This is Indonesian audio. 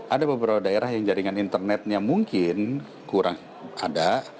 ada beberapa daerah yang jaringan internetnya mungkin kurang ada